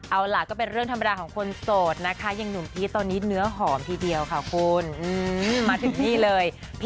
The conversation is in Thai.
เอาล่ะก็เป็นเรื่องธรรมดาของคนโสดนะคะอย่างหนุ่มพีชตอนนี้เนื้อหอมทีเดียวค่ะคุณมาถึงนี่เลย